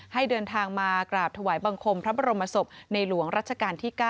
ให้เดินทางมากราบถวายบังคมพระบรมศพในหลวงรัชกาลที่๙